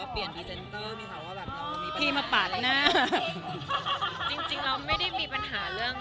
อัตโนน้ำตาลเองอยากซื้อแรงอะไรบ้างคะ